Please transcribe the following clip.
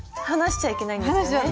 離しちゃいけないんですよね。